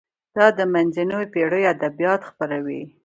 دا د منځنیو پیړیو ادبیات خپروي.